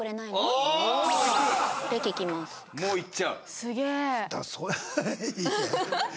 すげえ。